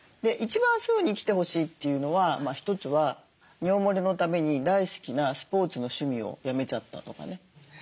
一番すぐに来てほしいというのは一つは尿もれのために大好きなスポーツの趣味をやめちゃったとかね。